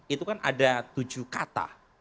itu kan ada tujuh kata